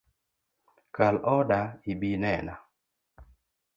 Kal oda ibinena